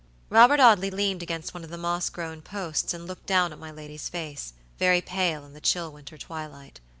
Robert Audley leaned against one of the moss grown posts and looked down at my lady's face, very pale in the chill winter twilight.